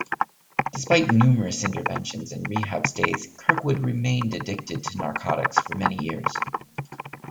Despite numerous interventions and rehab stays, Kirkwood remained addicted to narcotics for many years.